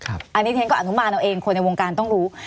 อันนี้ฉันก็อนุมานเอาเองคนในวงการต้องรู้